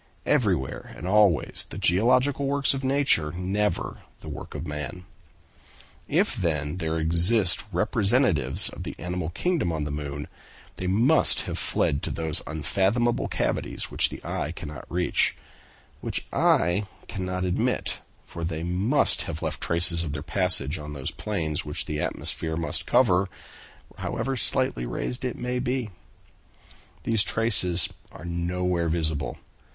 Everywhere and always the geological works of nature, never the work of man. If, then, there exist representatives of the animal kingdom on the moon, they must have fled to those unfathomable cavities which the eye cannot reach; which I cannot admit, for they must have left traces of their passage on those plains which the atmosphere must cover, however slightly raised it may be. These traces are nowhere visible.